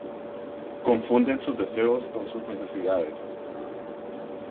Confunden sus deseos con sus necesidades.